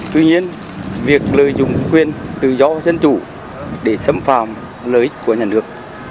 tuy nhiên việc lợi dụng quyền tự do dân chủ để xâm phạm lợi ích của nhà nước